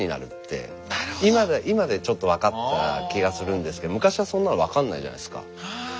今でちょっと分かった気がするんですけど昔はそんなの分かんないじゃないですか。